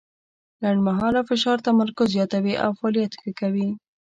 لنډمهاله فشار تمرکز زیاتوي او فعالیت ښه کوي.